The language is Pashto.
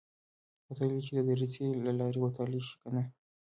کتل يې چې د دريڅې له لارې وتلی شي که نه.